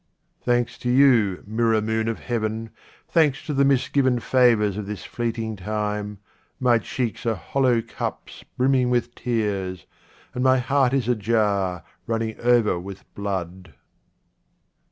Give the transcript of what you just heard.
Thanks to you, mirror moon of heaven, thanks to the misgiven favours of this fleeting time, my cheeks are hollow cups brimming with tears, and my heart is a jar running over with blood.